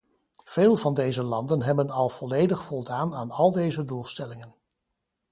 Veel van deze landen hebben al volledig voldaan aan al deze doelstellingen.